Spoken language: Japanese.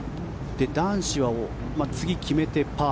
男子は次、決めてパー。